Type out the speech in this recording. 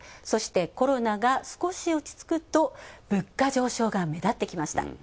そして、コロナが少し落ち着くと物価上昇が目立ってきました。